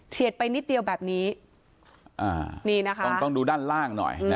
เฉียดไปนิดเดียวแบบนี้อ่านี่นะคะต้องต้องดูด้านล่างหน่อยนะ